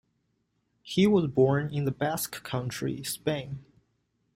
He was born in the Basque Country, Spain.